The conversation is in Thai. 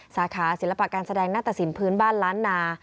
สาขาศิลปะการแสดงหน้าตะสินพื้นบ้านล้านนา